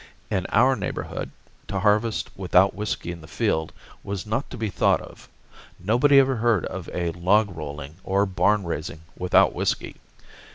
In our neighborhood, to harvest without whisky in the field was not to be thought of; nobody ever heard of a log rolling or barn raising without whisky.